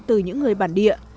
từ những người bản địa